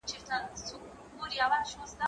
ميلمه د کتابتون له خوا هرکلی کيږي!.